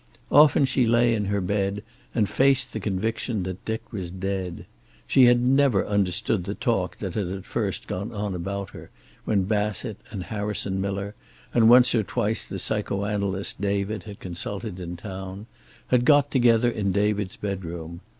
Often she lay in her bed and faced the conviction that Dick was dead. She had never understood the talk that at first had gone on about her, when Bassett and Harrison Miller, and once or twice the psycho analyst David had consulted in town, had got together in David's bedroom.